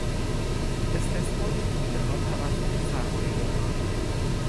استثمار تودهها توسط سرمایه داران